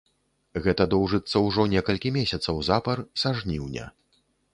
Гэта доўжыцца ўжо некалькі месяцаў запар, са жніўня.